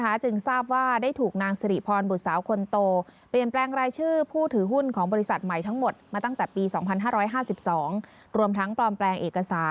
แม่นี่ก็ไม่มีพ่อแล้วเนี่ยแม่จะหยุดพัก